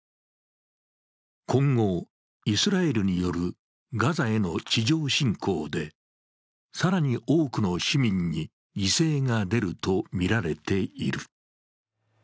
今後、イスラエルによるガザへの地上侵攻で更に多くの市民に犠牲が出るとみられている。